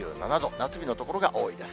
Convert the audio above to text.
夏日の所が多いです。